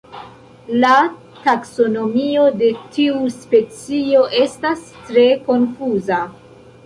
La taksonomio de tiu specio estas tre konfuza.